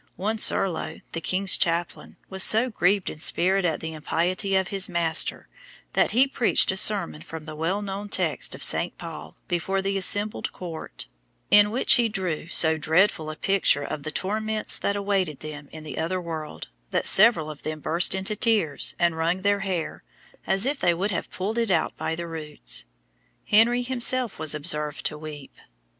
One Serlo, the king's chaplain, was so grieved in spirit at the impiety of his master, that he preached a sermon from the well known text of St. Paul before the assembled court, in which he drew so dreadful a picture of the torments that awaited them in the other world, that several of them burst into tears, and wrung their hair, as if they would have pulled it out by the roots. Henry himself was observed to weep.